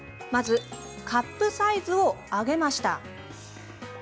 まずカップサイズを上げました。